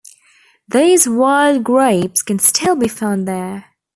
These wild grapes can still be found there.